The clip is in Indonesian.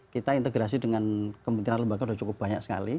kita integrasi dengan kementerian lembaga sudah cukup banyak sekali